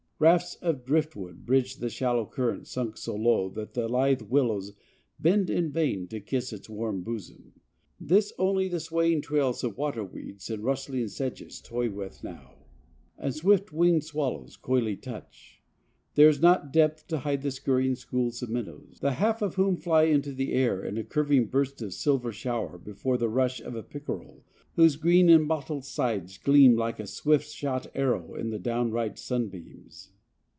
Rafts of driftwood bridge the shallow current sunk so low that the lithe willows bend in vain to kiss its warm bosom. This only the swaying trails of water weeds and rustling sedges toy with now; and swift winged swallows coyly touch. There is not depth to hide the scurrying schools of minnows, the half of whom fly into the air in a curving burst of silver shower before the rush of a pickerel, whose green and mottled sides gleam like a swift shot arrow in the downright sunbeams.